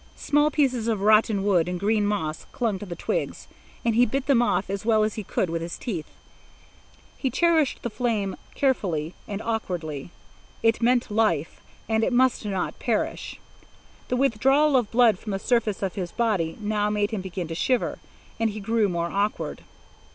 Small pieces of rotten wood and green moss clung to the twigs, and he bit them off as well as he could with his teeth. He cherished the flame carefully and awkwardly. It meant life, and it must not perish. The withdrawal of blood from the surface of his body now made him begin to shiver, and he grew more awkward.